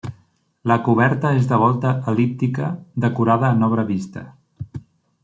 La coberta és de volta el·líptica, decorada en obra vista.